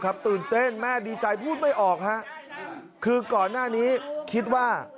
ตื่นเต้นแม่ดีใจพูดไม่ออกฮะคือก่อนหน้านี้คิดว่า